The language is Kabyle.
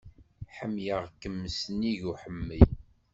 Ḥemmleɣ-kem s nnig uḥemmel.